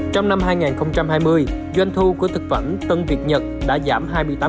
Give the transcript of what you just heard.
trong năm hai nghìn hai mươi doanh thu của thực phẩm tân việt nhật đã giảm hai mươi tám